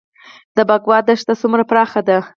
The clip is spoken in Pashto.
د بکوا دښته څومره پراخه ده؟